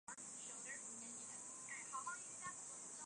中国上古时期产生于中国中原地区。